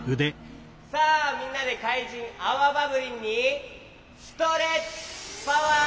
さあみんなでかいじんアワバブリンにストレッチパワー！